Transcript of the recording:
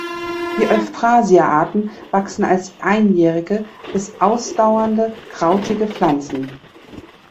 Die "Euphrasia"-Arten wachsen als einjährige bis ausdauernde krautige Pflanzen.